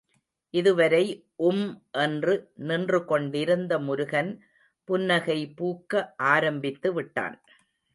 இதுவரை உம் என்று நின்றுகொண்டிருந்த முருகன் புன்னகை பூக்க ஆரம்பித்துவிட்டான்.